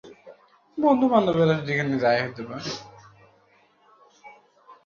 Ambulance, ভাই!